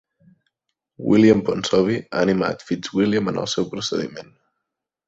William Ponsonby ha animat FitzWilliam en el seu procediment.